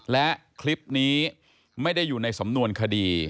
และคลิปนี้ไม่ได้อยู่ในสำนวนคดี